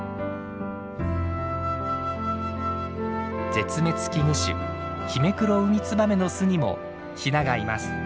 絶滅危惧種ヒメクロウミツバメの巣にもヒナがいます。